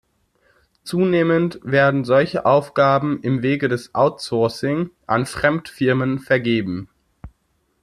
Zunehmend werden solche Aufgaben im Wege des Outsourcing an Fremdfirmen vergeben.